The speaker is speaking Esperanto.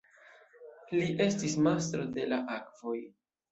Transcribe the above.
Li estis "Mastro de la akvoj".